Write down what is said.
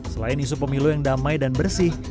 selain isu pemilu yang damai dan bersih